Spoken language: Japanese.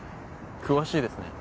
詳しいですね。